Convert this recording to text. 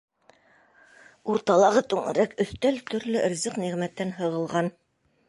Урталағы түңәрәк өҫтәл төрлө ризыҡ-ниғмәттән һығылған.